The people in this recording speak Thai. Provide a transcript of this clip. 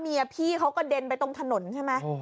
เมียพี่เขาก็เดนไปตรงถนนเข้ามั้ย